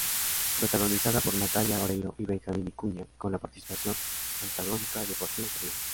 Protagonizada por Natalia Oreiro y Benjamín Vicuña, con la participación antagónica de Joaquín Furriel.